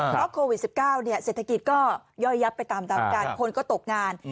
เพราะโควิด๑๙เศรษฐกิจก็ย่อยยับไปตามกันคนก็ตกงาน